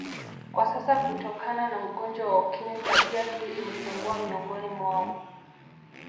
Kwa sasa kutokana na ugonjwa wa ukimwi tabia hii imepungua miongoni mwao